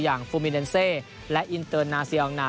ฟูมิเนเซและอินเตอร์นาเซียอังนา